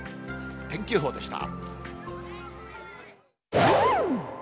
天気予報でした。